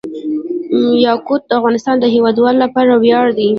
یاقوت د افغانستان د هیوادوالو لپاره ویاړ دی.